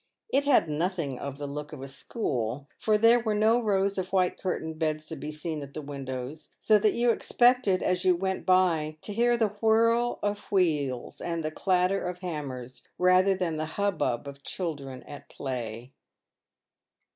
It ha^nothing of the look of a school, for there were no rows of white curtained beds to be seen at the windows ; so that you expected, as you went by, to hear the whir of wheels and the clatter of hammers rather than the hubbub of chil dren at play.